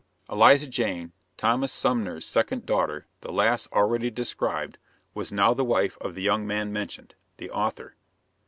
Eliza Jane, Thomas Sumner's second daughter, the lass already described, was now the wife of the young man mentioned (the author).